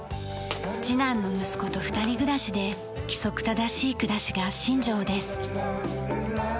次男の息子と二人暮らしで規則正しい暮らしが信条です。